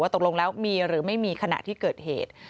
ตกลงแล้วมีหรือไม่มีขณะที่เกิดเหตุ